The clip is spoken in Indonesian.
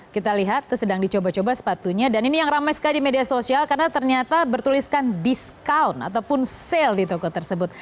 kita lihat sedang dicoba coba sepatunya dan ini yang ramai sekali di media sosial karena ternyata bertuliskan discount ataupun sale di toko tersebut